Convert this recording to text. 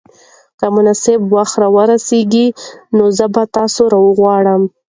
که مناسب وخت را ورسېږي نو زه به تاسو راوغواړم.